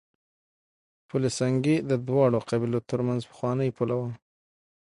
پل سنګي د دواړو قبيلو ترمنځ پخوانۍ پوله وه.